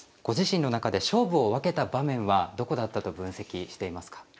ご自身の中で勝負を分けた場面はどこだったと分析していますか？